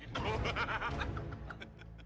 dia tuh emangnya begitu